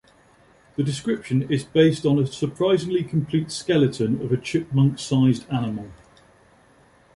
The description is based on a surprisingly complete skeleton of a chipmunk-sized animal.